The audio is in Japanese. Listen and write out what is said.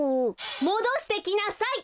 もどしてきなさい！